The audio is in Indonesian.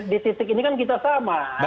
di titik ini kan kita sama